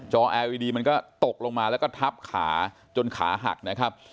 อแอร์อีดีมันก็ตกลงมาแล้วก็ทับขาจนขาหักนะครับ